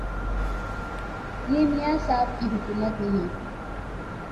یہ میاں صاحب کی حکومت نہیں